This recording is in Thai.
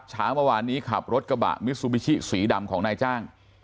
เช้าเมื่อวานนี้ขับรถกระบะมิซูบิชิสีดำของนายจ้าง